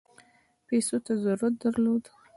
پیسو ته ضرورت درلود.